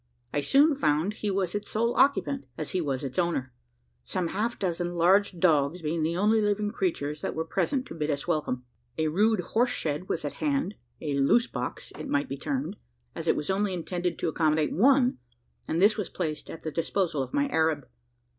I soon found he was its sole occupant as he was its owner some half dozen large dogs being the only living creatures that were present to bid us welcome. A rude horse shed was at hand a "loose box," it might be termed, as it was only intended to accommodate one and this was placed at the disposal of my Arab.